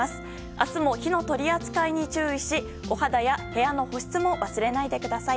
明日も火の取り扱いに注意しお肌や部屋の保湿も忘れないでください。